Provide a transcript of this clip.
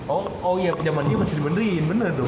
oh iya zaman dia masih dibenderin bener dong